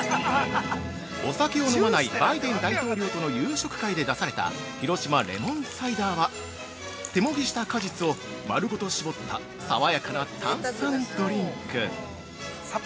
◆お酒を飲まないバイデン大統領との夕食会で出された広島レモンサイダーは手もぎした果実を、まるごと搾った爽やかな炭酸ドリンク。